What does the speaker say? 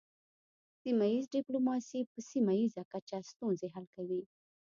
سیمه ایز ډیپلوماسي په سیمه ایزه کچه ستونزې حل کوي